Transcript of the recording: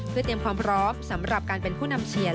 เพื่อเตรียมความพร้อมสำหรับการเป็นผู้นำเชียร์